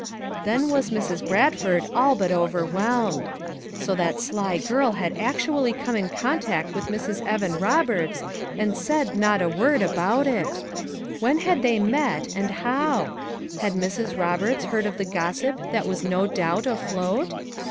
Then was Mrs. Bradford all but overwhelmed. So that sly girl had actually come in contact with Mrs, Evan Roberts and said not a word FOUR MOTHERS AT CHAUTAUQUA 253 about it ! "When had they met, and howl Had Mrs. Roberts heard of the gossip that was no doubt afloat?